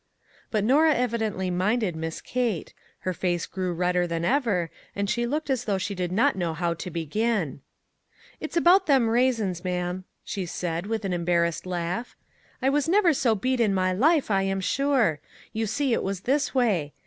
But Norah evidently minded Miss Kate ; her face grew redder than ever, and she looked as though she did not know how to begin. " It's about them raisins, ma'am," she said, with 'an embarrassed laugh. " I was never so beat in my life, I am sure. You see it was this way.